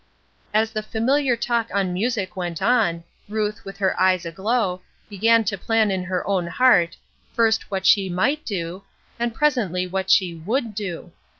As the familiar talk on music went on, Ruth, with her eyes aglow, began to plan in her own heart, first what she might do, and presently what she would do.